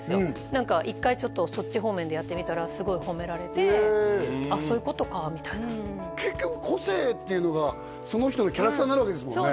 何か１回ちょっとそっち方面でやってみたらすごい褒められてああそういうことかみたいな結局個性っていうのがその人のキャラクターになるわけですもんね